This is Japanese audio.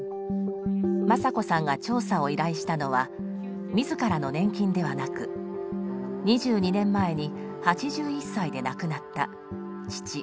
政子さんが調査を依頼したのは自らの年金ではなく２２年前に８１歳で亡くなった父・芳香さんのものです。